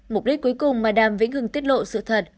mục đích cuối cùng mà đàm vĩnh hưng tiết lộ sự thật